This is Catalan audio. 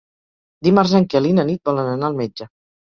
Dimarts en Quel i na Nit volen anar al metge.